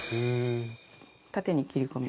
縦に切り込み。